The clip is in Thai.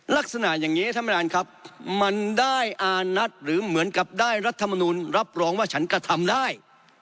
ลักษณะอย่างนี้ท่านประธานครับมันได้อานัดหรือเหมือนกับได้รัฐมนุนรับรองว่าฉันกระทำได้